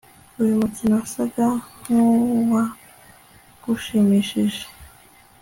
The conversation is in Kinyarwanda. Uyu mukino wasaga nkuwagushimishije